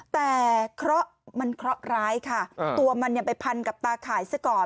แต่เคราะห์มันเคราะห์ร้ายค่ะตัวมันไปพันกับตาข่ายซะก่อน